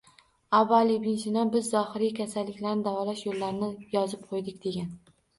Abu Ali ibn Sino: "Biz zohiriy kasalliklarni davolash yo‘llarini yozib qo‘ydik" degan.